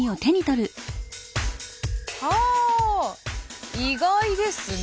はあ意外ですな。